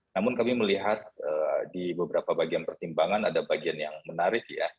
namun kami melihat di beberapa bagian pertimbangan ada bagian yang menarik ya